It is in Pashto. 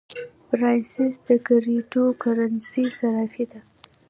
بایننس د کریپټو کرنسۍ صرافي ده